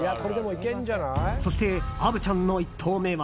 そして虻ちゃんの１投目は。